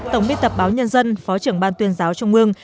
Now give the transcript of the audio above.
tổng biên tập báo nhân dân phó trưởng ban tuyên giáo trung ương